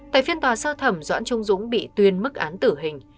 tại phiên tòa sơ thẩm doãn trung dũng bị tuyên mức án tử hình